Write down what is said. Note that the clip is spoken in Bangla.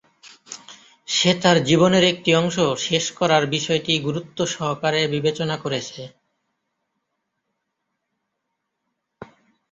সে তার জীবনের একটি অংশ শেষ করার বিষয়টি গুরুত্ব সহকারে বিবেচনা করেছে।